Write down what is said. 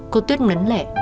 cô tuyết ngấn lệ